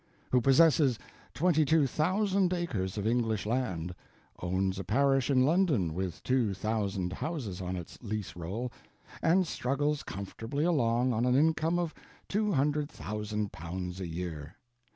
who possesses twenty two thousand acres of English land, owns a parish in London with two thousand houses on its lease roll, and struggles comfortably along on an income of two hundred thousand pounds a year.